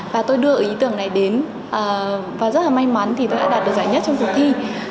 và tôi đưa ý tưởng này đến và rất là may mắn thì tôi đã đạt được giải nhất trong cuộc thi